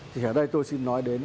thì ở đây tôi xin nói đến